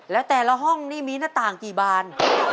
แล้วแต่ละห้องนี่มีหน้าต่างกี่บาน